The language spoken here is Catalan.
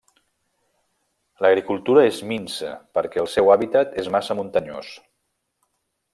L'agricultura és minsa perquè el seu hàbitat és massa muntanyós.